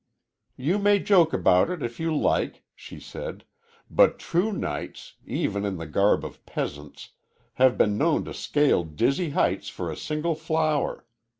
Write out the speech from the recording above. "You may joke about it, if you like," she said, "but true knights, even in the garb of peasants, have been known to scale dizzy heights for a single flower.